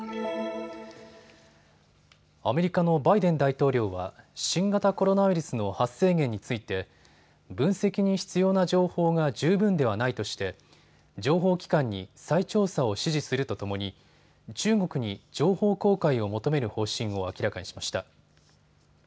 アメリカのバイデン大統領は新型コロナウイルスの発生源について分析に必要な情報が十分ではないとして情報機関に再調査を指示するとともに中国に情報公開を求める方針を明らかにしました。